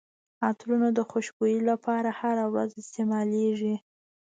عطرونه د خوشبويي لپاره هره ورځ استعمالیږي.